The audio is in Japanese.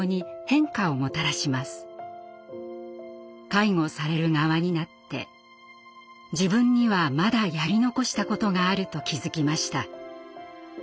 介護される側になって自分にはまだやり残したことがあると気付きました。